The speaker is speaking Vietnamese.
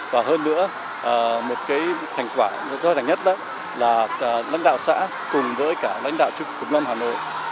và hơn nữa một cái thành quả rất là nhất là lãnh đạo xã cùng với cả lãnh đạo chức cục luân hà nội